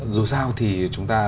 dù sao thì chúng ta